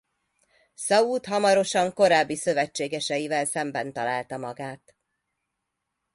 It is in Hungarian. Szaúd hamarosan korábbi szövetségeseivel szemben találta magát.